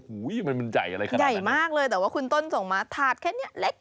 มันใหญ่อะไรขนาดนี้ใหญ่มากเลยแต่ว่าคุณต้นส่งมาถาดแค่นี้เล็ก